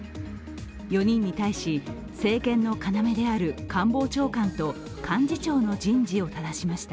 ４人に対し、政権の要である官房長官と幹事長の人事をただしました。